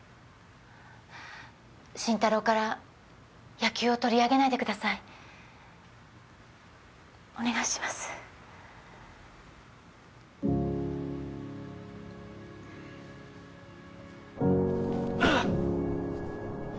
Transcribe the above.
慎太郎から野球を取り上げないでくださいお願いしますううっ！